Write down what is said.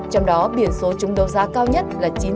trong đó biển số chúng đầu giá cao nhất là chín mươi chín